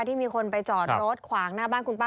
ที่มีคนไปจอดรถขวางหน้าบ้านคุณป้า